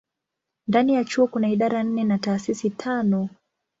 Ndani ya chuo kuna idara nne na taasisi tano.